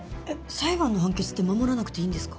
裁判の判決って守らなくていいんですか？